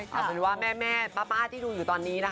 เพราะว่าแม่ป๊าที่ดูอยู่ตอนนี้นะคะ